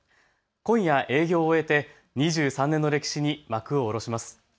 今夜、営業を終えて２３年の歴史に幕を下ろします。